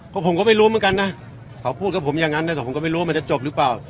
ก็ผมก็ไม่รู้เหมือนกันนะเขาพูดกับผมอย่างนั้นนะแต่ผมก็ไม่รู้ว่ามันจะจบหรือเปล่า